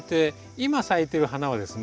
今咲いてる花はですね